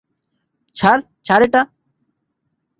ছাড়, ছাড় এটা!